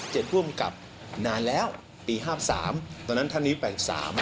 เจ็ดผู้กำกับนานแล้วปี๕๓ตอนนั้นท่านวิทย์๘๓